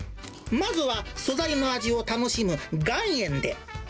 まずは、素材の味を楽しむ岩塩で。